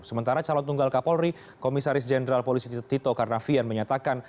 sementara calon tunggal kapolri komisaris jenderal polisi tito karnavian menyatakan